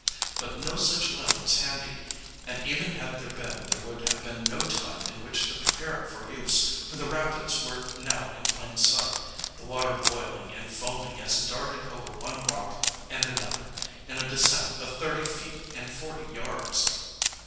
But no such limb was handy, and even had there been there would have been no time in which to prepare it for use, for the rapids were now in plain sight, the water boiling and foaming as it darted over one rock and another, in a descent of thirty feet in forty yards.